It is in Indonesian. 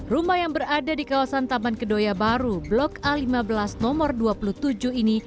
rumah yang berada di kawasan taman kedoya baru blok a lima belas nomor dua puluh tujuh ini